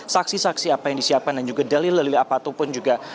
saksi saksi apa yang disiapkan dan juga dalil dalil apapun juga